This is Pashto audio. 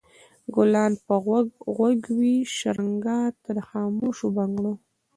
ګلان به غوږ غوږ وي شرنګا ته د خاموشو بنګړو